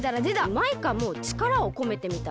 マイカもちからをこめてみたら？